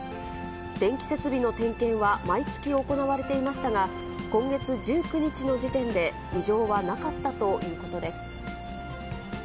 電気設備の点検は毎月行われていましたが、今月１９日の時点で、異常はなかったということです。